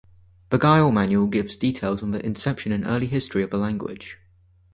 The Guile manual gives details of the inception and early history of the language.